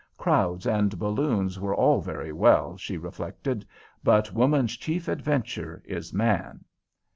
Crowds and balloons were all very well, she reflected, but woman's chief adventure is man.